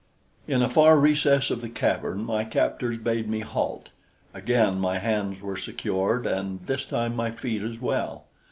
In a far recess of the cavern my captors bade me halt. Again my hands were secured, and this time my feet as well.